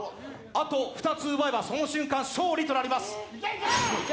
あと２つ奪えばその瞬間、勝利となります。